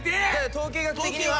統計学的には。